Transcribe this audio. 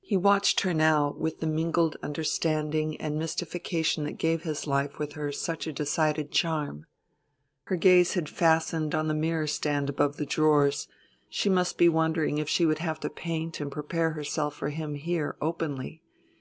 He watched her now with the mingled understanding and mystification that gave his life with her such a decided charm. Her gaze had fastened on the mirror stand above the drawers: she must be wondering if she would have to paint and prepare herself for him here, openly.